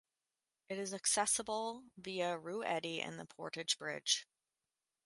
It is accessible via Rue Eddy and the Portage Bridge.